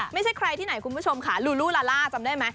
ไม่ใช่ใครที่ไหนคุณผู้ชมค่ะลูลูลาล่าจำได้ไหม